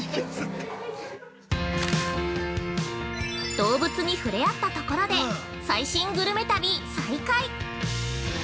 ◆動物に触れ合ったところで、最新グルメ旅、再開。